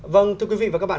vâng thưa quý vị và các bạn